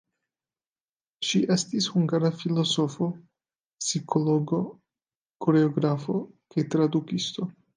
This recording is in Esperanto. Ŝi estis hungara filozofo, psikologo, koreografo kaj tradukisto.